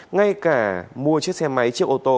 ngay cả mua chiếc xe máy chiếc ô tô